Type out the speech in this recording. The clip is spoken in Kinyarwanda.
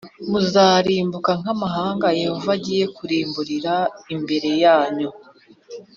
Muzarimbuka nk’amahanga Yehova agiye kurimburira imbere yanyu,